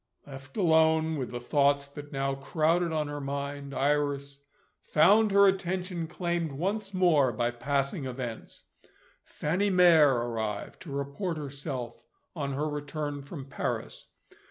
Left alone with the thoughts that now crowded on her mind, Iris found her attention claimed once more by passing events. Fanny Mere arrived, to report herself on her return from Paris.